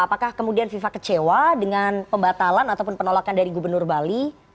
apakah kemudian viva kecewa dengan pembatalan ataupun penolakan dari gubernur bali